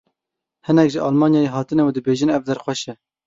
Hinek ji Almanyayê hatine û dibêjin ev der xweş e.